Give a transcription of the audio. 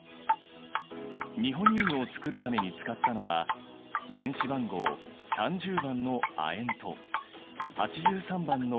ニホニウムを作るために使ったのは原子番号３０番の亜鉛と８３番のビスマス。